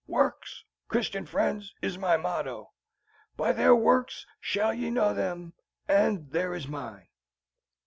"Works, Christian friends, is my motto. By their works shall ye know them, and there is mine."